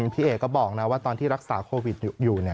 พี่เอกก็บอกนะว่าตอนที่รักษาโควิดอยู่